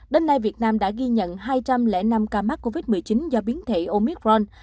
đến nay việt nam đã ghi nhận hai trăm linh năm ca mắc covid một mươi chín do biến thể omicron